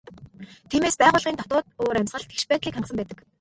Тиймээс байгууллагын дотоод уур амьсгал тэгш байдлыг хангасан байдаг.